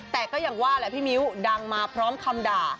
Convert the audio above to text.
แต่ก็อย่างว่าแหละพี่มิ้วดังมาพร้อมคำด่า